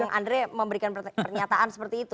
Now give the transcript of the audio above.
bang andre memberikan pernyataan seperti itu